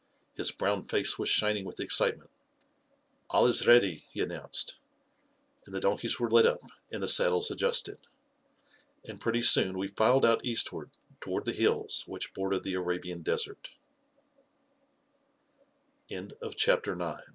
His brown face was shining with excitement. U A11 is ready/' he announced, and the donkeys were led up, and the saddles adjusted; and pretty soon we filed out eastward toward the hills which border the Arabian desert CHAPTER X We formed